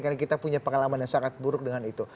karena kita punya pengalaman yang sangat buruk dengan itu